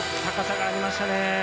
高さがありましたね。